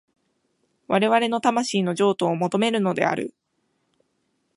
我々の魂の譲渡を求めるのである。